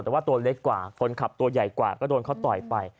แต่ว่าตัวเล็กกว่าคนขับตัวใหญ่กว่าก็โดนเขาต่อยไป